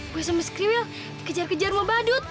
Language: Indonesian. gue sama skriwil dikejar kejar sama badut